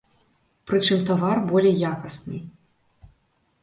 Прычым тавар болей якасны.